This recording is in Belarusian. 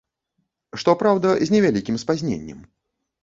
Што праўда, з невялікім спазненнем.